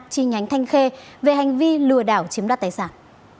chi nhánh thanh khê về hành vi lừa đảo chiếm đoạt tài sản